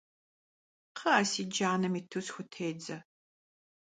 Kxhı'e, si canem yêtu sxutêdze!